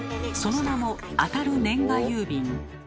その名も「当る！年賀郵便」。